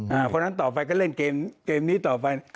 เพราะฉะนั้นต่อไปก็เล่นเกมนี้ต่อไป